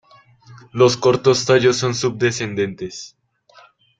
Los cortos tallos son pubescentes.